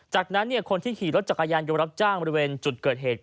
จากนั้นคนที่ขี่รถจักรยานยนต์รับจ้างบริเวณจุดเกิดเหตุ